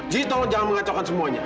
jadi tolong jangan mengacaukan semuanya